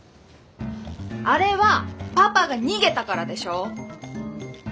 あれはパパが逃げたからでしょ！